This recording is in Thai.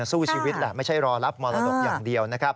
สู้ชีวิตแหละไม่ใช่รอรับมรดกอย่างเดียวนะครับ